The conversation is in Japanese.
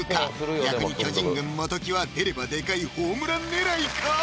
逆に巨人軍・元木は出ればでかいホームラン狙いか？